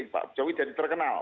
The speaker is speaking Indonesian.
pak jokowi jadi terkenal